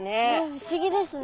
不思議ですね。